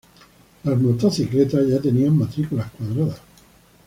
Las motocicletas ya tenían matrículas cuadradas.